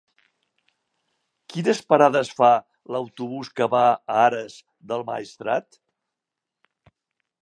Quines parades fa l'autobús que va a Ares del Maestrat?